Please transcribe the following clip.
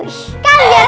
kan biar kreatif